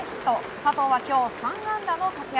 佐藤は今日３安打の活躍。